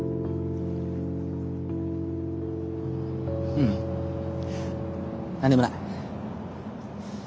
ううん。何でもない。